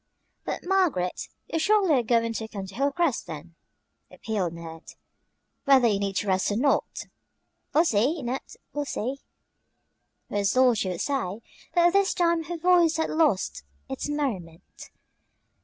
"But, Margaret, you surely are going to come to Hilcrest then," appealed Ned, "whether you need rest or not!" "We'll see, Ned, we'll see," was all she would say, but this time her voice had lost its merriment.